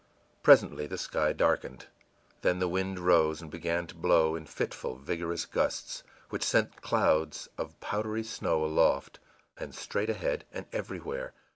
Presently the sky darkened; then the wind rose and began to blow in fitful, vigorous gusts, which sent clouds of powdery snow aloft, and straight ahead, and everywhere.